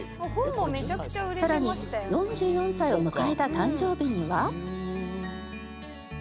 さらに４４歳を迎えた誕生日には。